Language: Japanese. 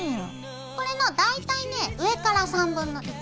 これの大体ね上から３分の１。